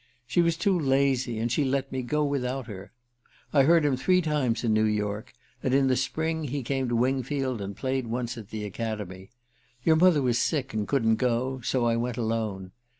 She was too lazy, and she let me go without her. I heard him three times in New York; and in the spring he came to Wingfield and played once at the Academy. Your mother was sick and couldn't go; so I went alone.